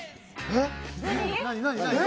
えっ！